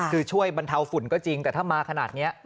คือช่วยบรรเทาฝุ่นก็จริงแต่ถ้ามาขนาดนี้